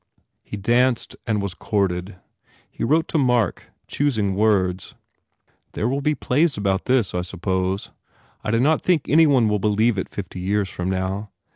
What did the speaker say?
He danced and was courted. He wrote to Mark, choosing words: "There will be plays about this, I suppose. I do not think any one will believe it fifty years from now.